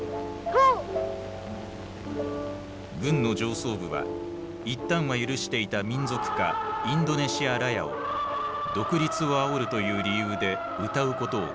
軍の上層部は一旦は許していた民族歌「インドネシアラヤ」を独立をあおるという理由で歌うことを禁じた。